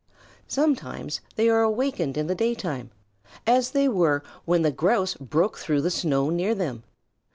Sometimes they are awakened in the daytime, as they were when the Grouse broke through the snow near them.